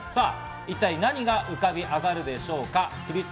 一体、何が浮かび上がるでしょうか？